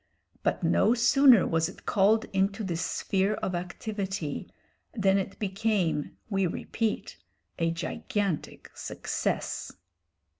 But no sooner was it called into this sphere of activity, than it became, we repeat, a gigantic success.